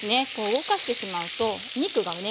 動かしてしまうとお肉がね